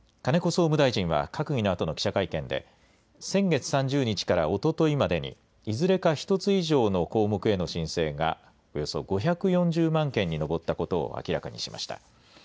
総務大臣は閣議のあとの記者会見で、先月３０日からおとといまでに、いずれか１つ以上の項目への申請が、およそ５４０万件に上ったことを明らかにしました。